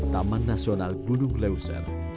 taman nasional gunung sumatera